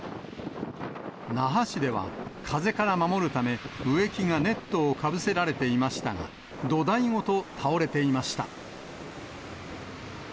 那覇市では、風から守るため、植木がネットをかぶせられていましたが、土台ごと倒れていました。